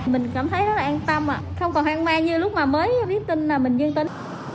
mình cảm thấy rất là an tâm không còn hoang mang như lúc mà mới biết tin là mình dương tính